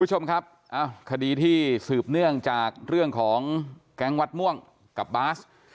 คุณผู้ชมครับคดีที่สืบเนื่องจากเรื่องของแก๊งวัดม่วงกับบาส